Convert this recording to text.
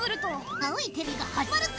ナウいテレビが始まるぜ。